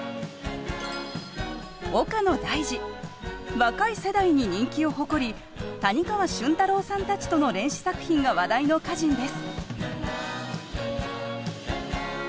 若い世代に人気を誇り谷川俊太郎さんたちとの連詩作品が話題の歌人です。